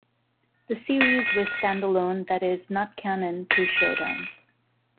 The series was standalone that is not canon to Showdown.